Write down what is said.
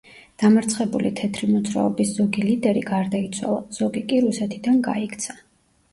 დამარცხებული თეთრი მოძრაობის ზოგი ლიდერი გარდაიცვალა, ზოგი კი რუსეთიდან გაიქცა.